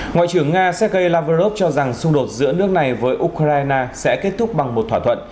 ngoại trưởng nga sergei lavrov cho rằng xung đột giữa nước này với ukraine sẽ kết thúc bằng một thỏa thuận